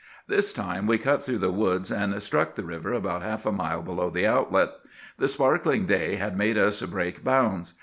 This time we cut through the woods, and struck the river about half a mile below the outlet. The sparkling day had made us break bounds.